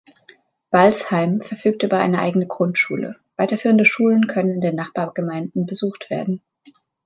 Balzheim verfügt über eine eigene Grundschule, weiterführende Schulen können in den Nachbargemeinden besucht werden.